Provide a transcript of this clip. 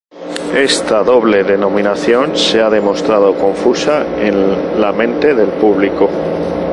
Esta doble denominación se ha demostrado confusa en la mente del público.